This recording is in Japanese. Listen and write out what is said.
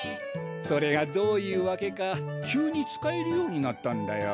それがどういうわけか急に使えるようになったんだよ。